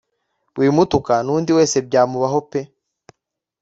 wimutuka nundi wese byamubaho pe!